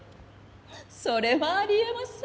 それはあり得ません。